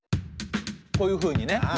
こういうふうにね。